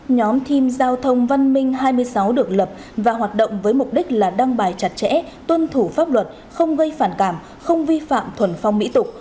nhóm team giao thông văn minh hai mươi sáu được lập và hoạt động với mục đích là đăng bài chặt chẽ tuân thủ pháp luật không gây phản cảm không vi phạm thuần phong mỹ tục